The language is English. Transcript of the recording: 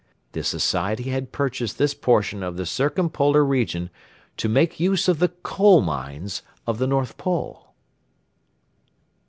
The Society had purchased this portion of the circumpolar region to make use of the coal mines of the North Pole.